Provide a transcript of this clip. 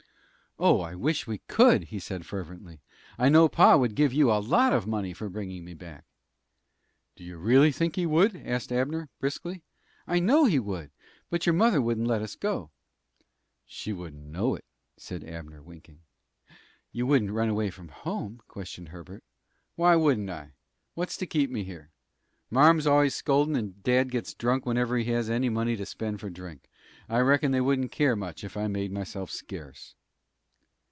"Oh, I wish we could," he said, fervently. "I know pa would give you a lot of money for bringing me back." "Do you really think he would?" asked Abner, briskly. "I know he would. But your mother wouldn't let us go." "She wouldn't know it," said Abner, winking. "You wouldn't run away from home?" questioned Herbert. "Why wouldn't I? What's to keep me here? Marm's always scoldin', and dad gets drunk whenever he has any money to spend for drink. I reckon they wouldn't care much if I made myself scarce."